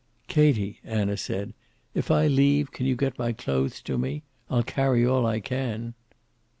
"Katie," Anna said, "if I leave can you get my clothes to me? I'll carry all I can."